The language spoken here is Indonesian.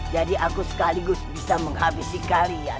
jadi aku sekaligus bisa menghabisi kalian